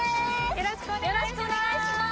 よろしくお願いします。